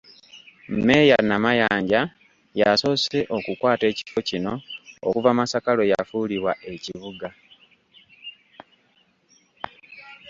Mmeeya Namayanja y’asoose okukwata ekifo kino okuva Masaka lwe yafuulibwa ekibuga.